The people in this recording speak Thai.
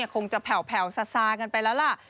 คงจะแผ่วซากันไปแล้วล่ะ